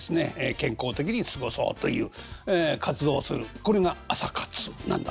健康的に過ごそうという活動をするこれが「朝活」なんだそうです。